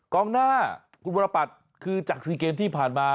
กองหน้าคุณวรปัตย์คือจาก๔เกมที่ผ่านมา